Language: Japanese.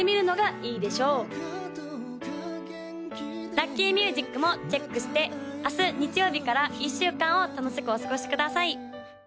・ラッキーミュージックもチェックして明日日曜日から１週間を楽しくお過ごしください